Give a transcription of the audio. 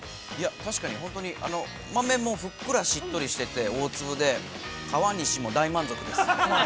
◆確かに、本当に豆もふっくらしっとりしていて、大粒で、川西も大満足です。